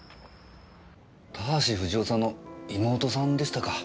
田橋不二夫さんの妹さんでしたか。